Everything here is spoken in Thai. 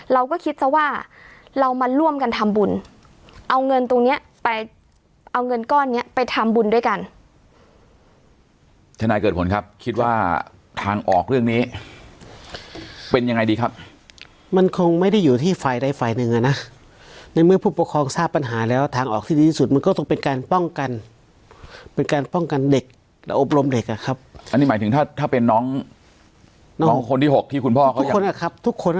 เราก็คิดซะว่าเรามาร่วมกันทำบุญเอาเงินตรงเนี้ยไปเอาเงินก้อนเนี้ยไปทำบุญด้วยกันทนายเกิดผลครับคิดว่าทางออกเรื่องนี้เป็นยังไงดีครับมันคงไม่ได้อยู่ที่ฝ่ายใดฝ่ายหนึ่งอ่ะนะในเมื่อผู้ปกครองทราบปัญหาแล้วทางออกที่ดีที่สุดมันก็ต้องเป็นการป้องกันเป็นการป้องกันเด็กแล้วอบรมเด็กอ่ะครับอันนี้หมายถึงถ้าถ้าเป็นน้องน้องคนที่หกที่คุณพ่อเขานะครับทุกคน